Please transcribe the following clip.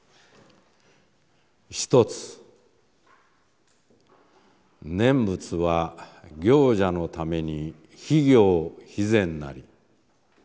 「一つ念仏は行者のために非行・非善なり。